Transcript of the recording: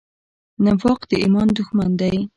نفاق د ایمان دښمن دی.